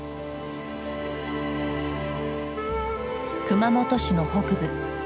熊本市の北部。